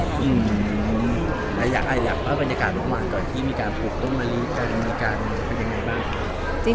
อืมอาหยักอาหยักว่าบรรยากาศประมาณก่อนที่มีการปลูกด้วยดอกมะลิ้นกันมีการเป็นยังไงบ้าง